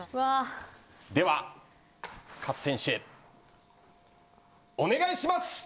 では勝選手お願いします！